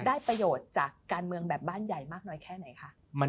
ได้ประโยชน์จากการเมืองแบบบ้านใหญ่มากน้อยแค่ไหนคะ